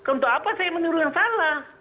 untuk apa saya menyuruh yang salah